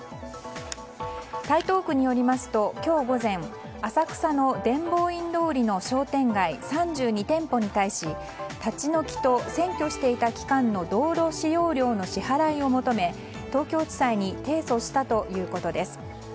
台東区によりますと今日午前浅草の伝法院通りの商店街３２店舗に対し立ち退きと占拠していた期間の道路使用料の支払いを求め東京地裁に提訴したということです。